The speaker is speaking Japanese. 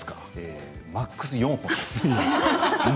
マックス４本です。